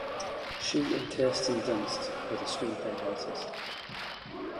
She and Kirsten Dunst were the screenplay writers.